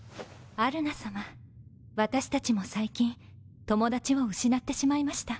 アルナさま私たちも最近友達を失ってしまいました。